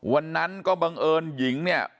วันนั้นก็บังเอิญหญิงเนี่ย